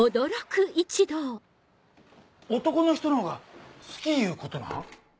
男の人のほうが好きいうことなん？